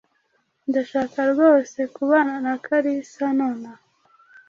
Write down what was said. Ndashaka rwose kubana na Kalisa nonaha.